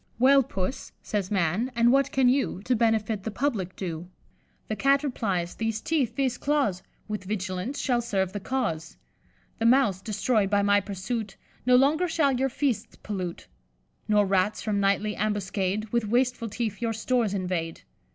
"'Well, Puss,' says Man, 'and what can you To benefit the public do?' The Cat replies, 'These teeth, these claws, With vigilance shall serve the cause. The Mouse, destroy'd by my pursuit, No longer shall your feasts pollute; Nor Rats, from nightly ambuscade, With wasteful teeth your stores invade.